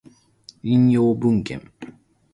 引用文献